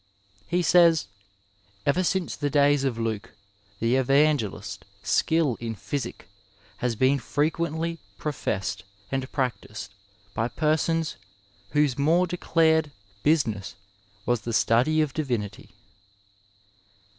He says :Ever since the days of Luke, the Evangelist, skill in Physich has been frequentiy professed and practised by Persons whose more declared Business was the study of Divinity."